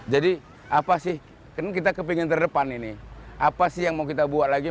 jadi apa sih kan kita kepingin terdepan ini apa sih yang mau kita buat lagi